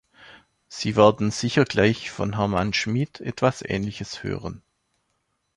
Sie werden sicher gleich von Herman Schmid etwas ähnliches hören.